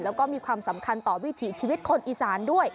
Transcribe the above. แล้วก็มีความสำคัญต่อวิถีชีวิตคนอีสานด้วย